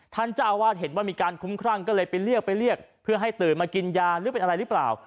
ท่านเจ้าอาวาสเห็นว่ามีการคุ้มครั่งก็เลยไปเรียกไปเรียกเพื่อให้ตื่นมากินยาหรือเป็นอะไรหรือเปล่า